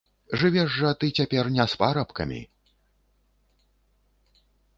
Жывеш жа ты цяпер не з парабкамі.